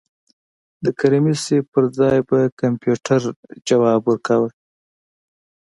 د کریمي صیب پر ځای به کمپیوټر ځواب ورکاوه.